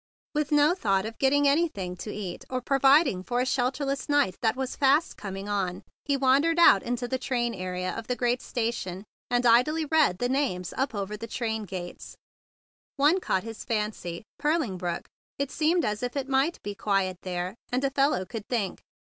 With no thought of getting anything to eat or providing for a shelterless night that was fast coming on, he wan¬ dered out into the train area of the great station, and idly read the names up over the train gates. One caught his fancy, ^Purling Brook." It seemed as if it might be quiet there, and a fellow could think.